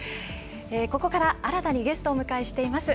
ここから新たにゲストをお迎えしています。